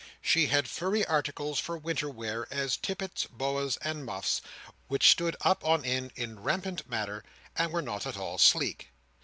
She had furry articles for winter wear, as tippets, boas, and muffs, which stood up on end in rampant manner, and were not at all sleek.